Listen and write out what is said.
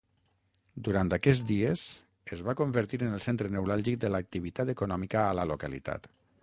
Durant aquests dies es va convertir en el centre neuràlgic de l'activitat econòmica a la localitat.